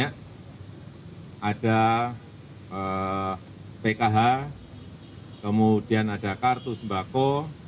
kemudian ada kartu sembako